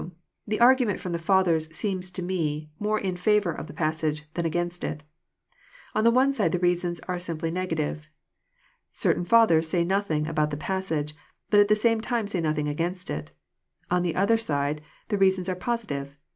The argument from the Fathers seems to me more in favour of the passage than against it. — On the one side the reasons are simply negative. Certain Fathers say nothing about the passage, but at the same time say nothing against it. — On the other side the reasons eLVQ positive.